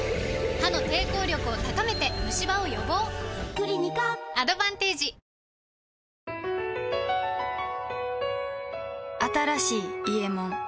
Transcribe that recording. クリニカアドバンテージ新しい「伊右衛門」